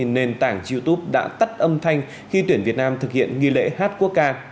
nền tảng youtube đã tắt âm thanh khi tuyển việt nam thực hiện nghi lễ hát quốc ca